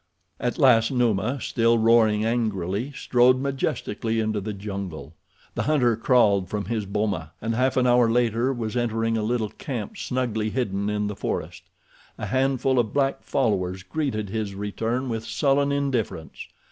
At last Numa, still roaring angrily, strode majestically into the jungle. The hunter crawled from his boma, and half an hour later was entering a little camp snugly hidden in the forest. A handful of black followers greeted his return with sullen indifference.